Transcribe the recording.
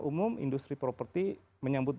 umum industri property menyambutkan